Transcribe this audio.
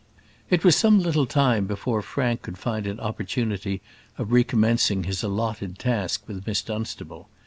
It was some little time before Frank could find an opportunity of recommencing his allotted task with Miss Dunstable.